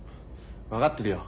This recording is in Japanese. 分かってるよ。